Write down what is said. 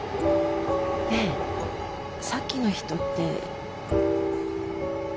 ねえさっきの人って。